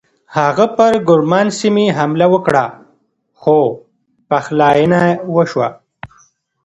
هغه پر ګرمان سیمې حمله وکړه خو پخلاینه وشوه.